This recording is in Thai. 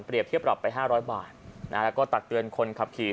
เทียบปรับไป๕๐๐บาทแล้วก็ตักเตือนคนขับขี่